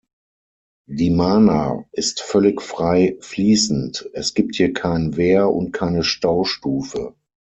Die Mana ist völlig frei fließend, es gibt hier kein Wehr und keine Staustufe.